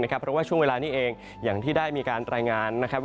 เพราะว่าช่วงเวลานี้เองอย่างที่ได้มีการแรงงาน